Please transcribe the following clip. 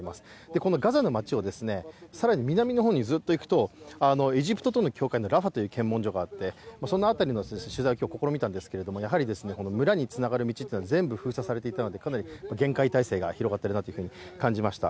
このガザの町を更に南の方にずっと行くとエジプトとの境界のラファという検問所があってその辺りの取材を今日試みたんですけれどもやはり村につながる道というのは、全部封鎖されていたのでかなり厳戒態勢が広がっているなというふうに感じました。